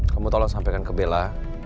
kamu tolong sampaikan ke bella